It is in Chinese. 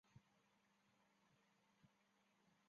现在富士屋酒店属于国际兴业集团。